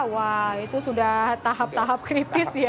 wah itu sudah tahap tahap kritis ya